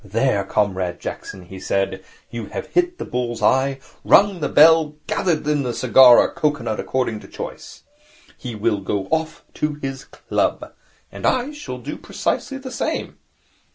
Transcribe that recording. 'There, Comrade Jackson,' he said, 'you have hit the bull's eye, rung the bell, and gathered in the cigar or cocoanut according to choice. He will go off to his club. And I shall do precisely the same.'